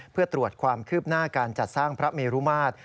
เพื่อตรวจความคืบหน้าการจัดสร้างพระเมรุมาตร